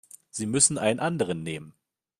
Sie müssen einen anderen nehmen.